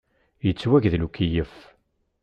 Yettwagdel ukeyyef.